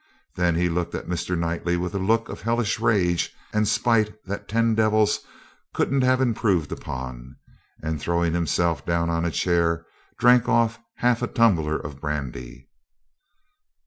Then he looked at Mr. Knightley with a look of hellish rage and spite that ten devils couldn't have improved upon, and, throwing himself down on a chair, drank off half a tumbler of brandy.